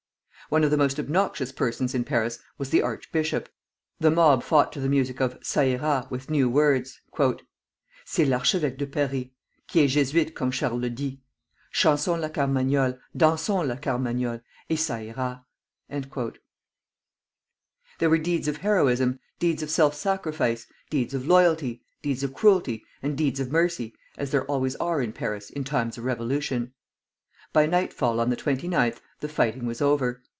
One of the most obnoxious persons in Paris was the archbishop. The mob fought to the music of "Ça ira." with new words: "C'est l'Archevêque de Paris Qui est Jésuite comme Charles Dix. Dansons la Carmagnole; dansons la Carmagnole, Et ça ira!" There were deeds of heroism, deeds of self sacrifice. deeds of loyalty, deeds of cruelty, and deeds of mercy, as there always are in Paris in times of revolution. By nightfall on the 29th the fighting was over.